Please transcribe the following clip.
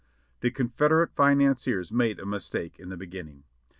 The Confederate financiers made a mistake in the beginning.